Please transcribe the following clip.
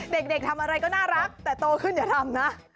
เด็กทำอะไรก็น่ารักแต่โตขึ้นอย่าทำนะ